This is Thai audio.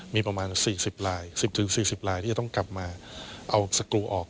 มีประมาณ๔๐ลาย๑๐๔๐ลายที่จะต้องกลับมาเอาสกรูออก